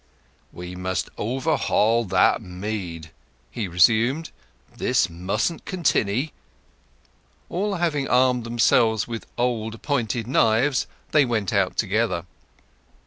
"We must overhaul that mead," he resumed; "this mustn't continny!" All having armed themselves with old pointed knives, they went out together.